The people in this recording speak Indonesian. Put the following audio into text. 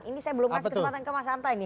ini saya belum kasih kesempatan ke mas anto ini